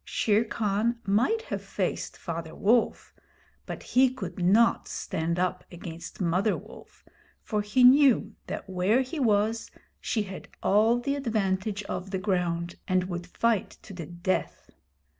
Shere Khan might have faced Father Wolf, but he could not stand up against Mother Wolf, for he knew that where he was she had all the advantage of the ground, and would fight to the death.